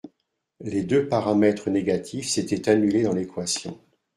Les deux paramètres négatifs s’étaient annulés dans l’équation.